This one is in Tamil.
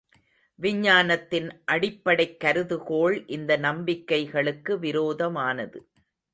விஞ்ஞானத்தின் அடிப்படைக் கருதுகோள் இந்த நம்பிக்கைகளுக்கு விரோதமானது.